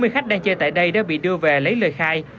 hai mươi khách đang chơi tại đây đã bị đưa về lấy lời khai